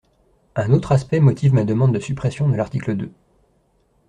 Un autre aspect motive ma demande de suppression de l’article deux.